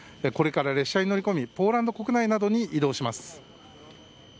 これから列車に乗り込みポーランド国内などに移動します。